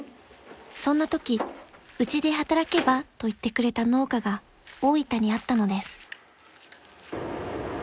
［そんなとき「うちで働けば？」と言ってくれた農家が大分にあったのです］